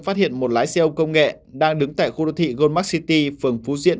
phát hiện một lái xe ô công nghệ đang đứng tại khu đô thị goldmark city phường phú diễn